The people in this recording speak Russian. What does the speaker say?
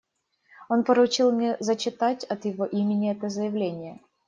Он поручил мне зачитать от его имени это заявление.